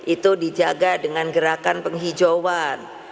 itu dijaga dengan gerakan penghijauan